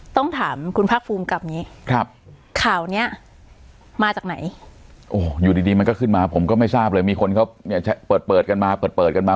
ต้องถามคุณภาคภูมิกับอย่างนี้ครับข่าวเนี้ยมาจากไหนโอ้โหอยู่ดีดีมันก็ขึ้นมาผมก็ไม่ทราบเลยมีคนเขาเนี่ยเปิดเปิดกันมาเปิดเปิดกันมา